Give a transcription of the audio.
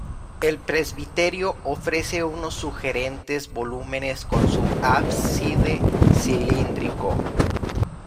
El presbiterio ofrece unos sugerentes volúmenes con su ábside cilíndrico.